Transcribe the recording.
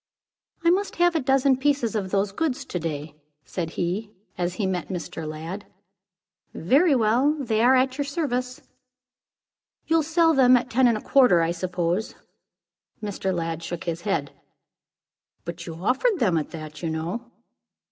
"I must have a dozen pieces of those goods to day," said he, as he met Mr. Lladd. "Very well. They are at your service." "You'll sell them at ten and a quarter, I suppose?" Mr. Lladd shook his head. "But you offered them at that, you know."